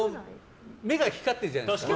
目が光ってるじゃないですか。